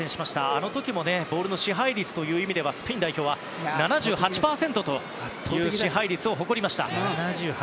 あの時もボールの支配率という意味ではスペイン代表は７８％という支配率を誇りました。